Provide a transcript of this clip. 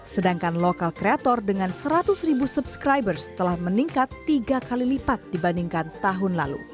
sedangkan lokal kreator dengan seratus ribu subscribers telah meningkat tiga kali lipat dibandingkan tahun lalu